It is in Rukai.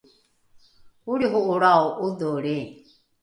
olriho’olrao ’odholri